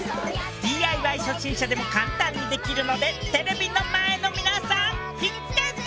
ＤＩＹ初心者でも簡単にできるのでテレビの前の皆さん必見です！